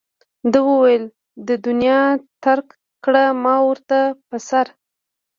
ده وویل له دنیا ترک کړه ما ورته په سر.